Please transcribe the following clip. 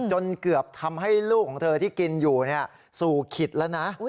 จนเกือบทำให้ลูกของเธอที่กินอยู่สู่ขิตแล้วนะ